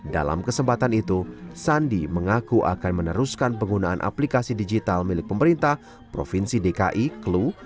dalam kesempatan itu sandi mengaku akan meneruskan penggunaan aplikasi digital milik pemerintah provinsi dki clue